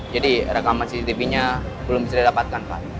jadi rekaman cctv nya belum bisa didapatkan pak